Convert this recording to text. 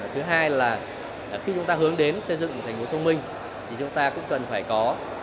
thứ hai là khi chúng ta hướng đến xây dựng một thành phố thông minh thì chúng ta cũng cần phải có